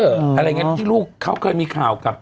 อะไรอย่างนี้ที่ลูกเขาเคยมีข่าวกับ